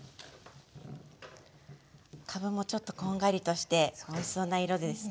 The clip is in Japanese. かぶもちょっとこんがりとしておいしそうな色ですね。